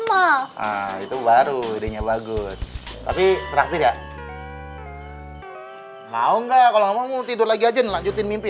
ah itu baru idenya bagus tapi terakhir ya mau nggak kalau ngomong mau tidur lagi aja lanjutin mimpi